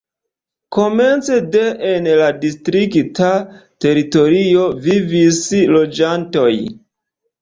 Komence de en la distrikta teritorio vivis loĝantoj.